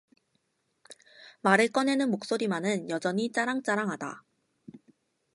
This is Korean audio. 말을 꺼내는 목소리만은 여전히 짜랑짜랑하다.